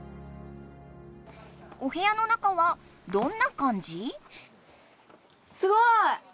おへやの中はどんな感じ？